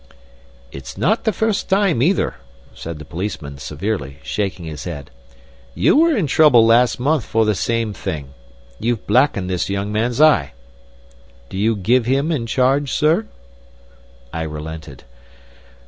"It's not the first time, either," said the policeman, severely, shaking his head. "You were in trouble last month for the same thing. You've blackened this young man's eye. Do you give him in charge, sir?" I relented.